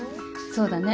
そうだね。